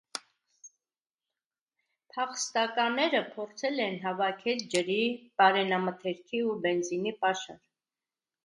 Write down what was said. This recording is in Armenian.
Փախստականները փորձել են հավաքել ջրի, պարենամթերքի ու բենզինի պաշար։